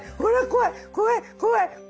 怖い怖い。